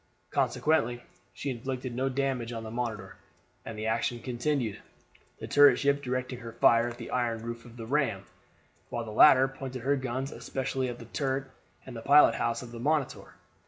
Consequently she inflicted no damage on the Monitor, and the action continued, the turret ship directing her fire at the iron roof of the ram, while the latter pointed her guns especially at the turret and pilot house of the Monitor.